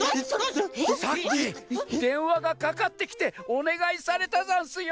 さっきでんわがかかってきておねがいされたざんすよ！